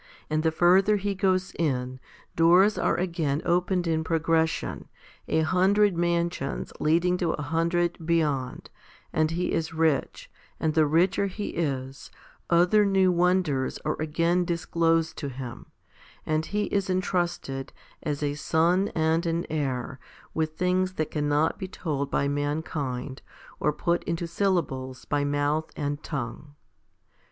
and the further he goes in, doors are again opened in progression, a hundred mansions leading to a hundred beyond, and he is rich, and the richer he is, other new wonders are again disclosed to him, and he is entrusted, as a son and an heir, with things that cannot be told by mankind or put into syllables by mouth and tongue.